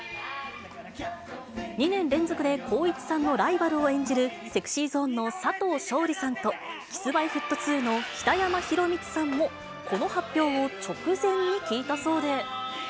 ２年連続で光一さんのライバルを演じるＳｅｘｙＺｏｎｅの佐藤勝利さんと、Ｋｉｓ−Ｍｙ−Ｆｔ２の北山宏光さんも、この発表を直前に聞いたそうで。